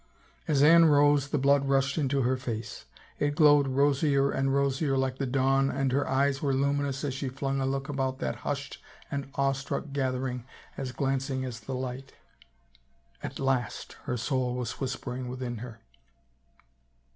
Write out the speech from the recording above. As Anne rose the blood rushed into her face ; it glowed rosier and rosier like the dawn and her eyes were lumi nous as she flung a look about that hushed and awe struck gathering as glancing as the light. " At last !" her soul was whispering within her.